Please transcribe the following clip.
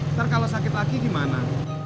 ntar kalau sakit lagi gimana